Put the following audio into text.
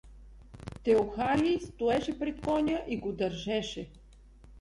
Теохарий стоеше пред коня и го държеше.